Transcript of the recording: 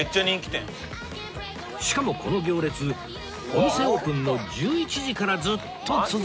しかもこの行列お店オープンの１１時からずっと続き